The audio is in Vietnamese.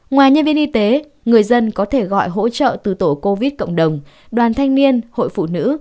ngoài nhân viên y tế người dân có thể gọi hỗ trợ từ tổ covid cộng đồng đoàn thanh niên hội phụ nữ